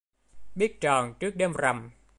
Biết tròn trước đêm rằm